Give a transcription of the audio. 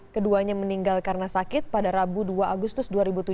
keduanya meninggal karena sakit pada rabu dua agustus dua ribu tujuh belas